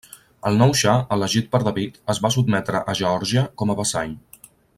El nou xa, elegit per David, es va sotmetre a Geòrgia com a vassall.